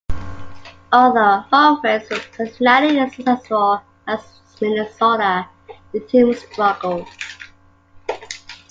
Although Humphries was personally successful at Minnesota, the team struggled.